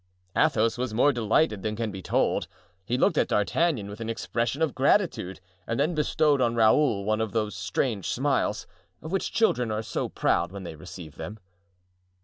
Athos was more delighted than can be told. He looked at D'Artagnan with an expression of gratitude and then bestowed on Raoul one of those strange smiles, of which children are so proud when they receive them.